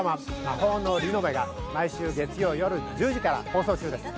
『魔法のリノベ』が毎週月曜夜１０時から放送中です。